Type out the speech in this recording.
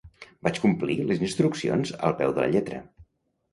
Vaig complir les instruccions al peu de la lletra.